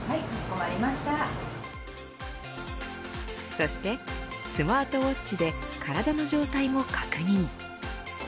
そして、スマートウォッチで体の状態も確認。